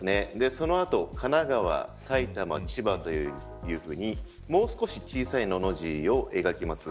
その後、神奈川、埼玉、千葉というふうにもう少し小さいの、の字を描きます。